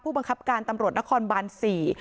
ผู้บังขับการตำรวจนครบัลสี่